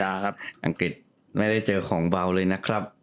อังกฤษไม่ได้เจอของเบาเลยนะครับ